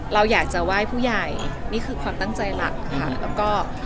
เราอยากจะไหว้ผู้ใหญ่นี่คือความตั้งใจหลักค่ะแล้วก็